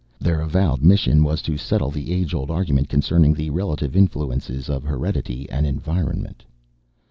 Their avowed mission was to settle the age old argument concerning the relative influences of heredity and environment.